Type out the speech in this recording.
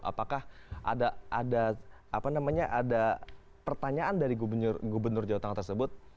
apakah ada pertanyaan dari gubernur jawa tengah tersebut